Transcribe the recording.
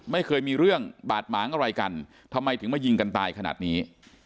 ไม่เคยมีเรื่องบาดหมางอะไรกันทำไมถึงมายิงกันตายขนาดนี้